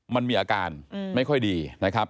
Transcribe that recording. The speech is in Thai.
มันมีอาการไม่ค่อยดีนะครับ